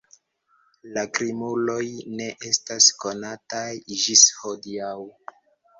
La krimuloj ne estas konataj ĝis hodiaŭ.